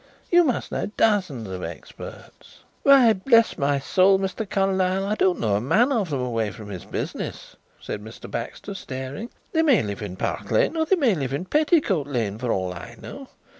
You must know dozens of experts." "Why, bless my soul, Mr. Carlyle, I don't know a man of them away from his business," said Mr. Baxter, staring. "They may live in Park Lane or they may live in Petticoat Lane for all I know.